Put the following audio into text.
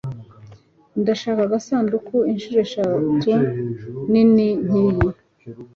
Ndashaka agasanduku inshuro eshatu nini nkiyi.